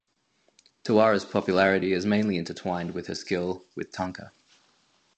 Tawara's popularity is mainly intertwined with her skill with tanka.